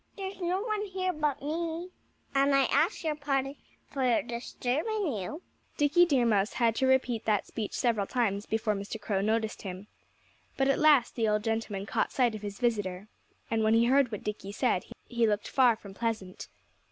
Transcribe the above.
There's no one here but me. And I ask your pardon for disturbing you." Dickie Deer Mouse had to repeat that speech several times before Mr. Crow noticed him. But at last the old gentleman caught sight of his visitor. And when he heard what Dickie said he looked far from pleasant.